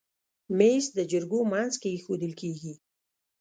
مېز د جرګو منځ کې ایښودل کېږي.